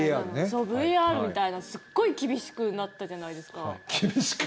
そう、ＶＡＲみたいなすっごい厳しくなったじゃないですか。